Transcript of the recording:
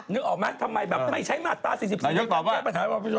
นึกออกไหมทำไมไม่ใช้มาตรา๔๔ในการแก้ปัญหาจราจร